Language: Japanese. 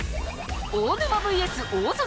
大沼ＶＳ大園。